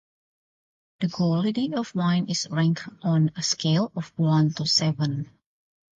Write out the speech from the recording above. The quality of wind is ranked on a scale of one to seven.